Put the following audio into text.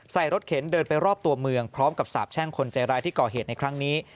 รถเข็นเดินไปรอบตัวเมืองพร้อมกับสาบแช่งคนใจร้ายที่ก่อเหตุในครั้งนี้